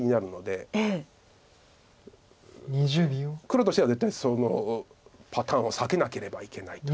黒としては絶対パターンを避けなければいけないという。